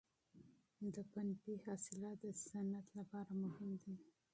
د پنبې حاصلات د صنعت لپاره مهم دي.